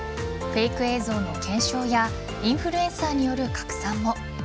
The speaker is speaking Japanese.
フェイク映像の検証やインフルエンサーによる拡散も。